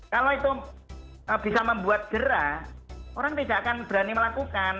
kalau itu bisa membuat gerah orang tidak akan berani melakukan